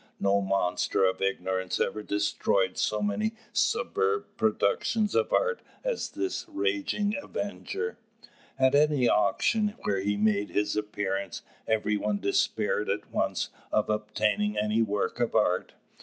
No monster of ignorance ever destroyed so many superb productions of art as did this raging avenger. At any auction where he made his appearance, every one despaired at once of obtaining any work of art.